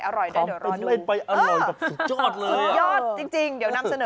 ของเป็นไหมไปอร่อยกับสุดยอดเลยสุดยอดจริงเดี๋ยวนำเสนอ